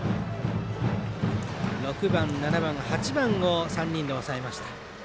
６番、７番、８番を３人で抑えました。